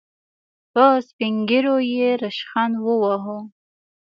په سپين ږيرو يې ريشخند وواهه.